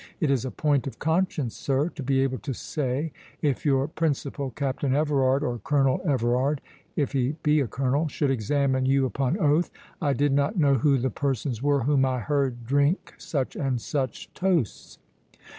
It is a point of conscience, sir, to be able to say, if your principal, Captain Everard or Colonel Everard, if he be a Colonel, should examine you upon oath, I did not know who the persons were whom I heard drink such and such toasts."